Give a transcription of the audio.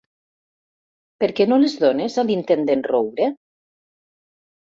Per què no les dones a l'intendent Roure?